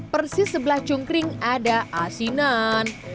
persis sebelah cungkring ada asinan